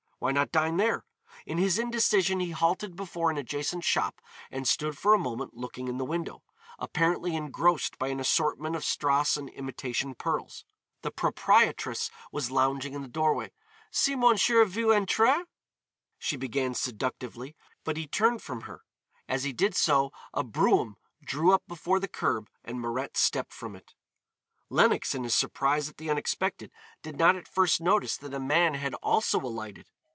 Why not dine there? In his indecision he halted before an adjacent shop and stood for a moment looking in the window, apparently engrossed by an assortment of strass and imitation pearls. The proprietress was lounging in the doorway. "Si Monsieur veut entrer" she began seductively, but he turned from her; as he did so, a brougham drew up before the curb and Mirette stepped from it. Lenox, in his surprise at the unexpected, did not at first notice that a man had also alighted.